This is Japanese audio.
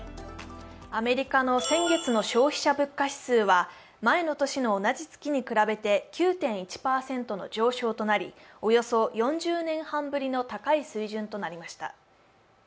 アメリカの先月の消費者物価指数は前の年の同じ月に比べて９．１％の上昇となり、およそ４０年半ぶりの高い水準となりました。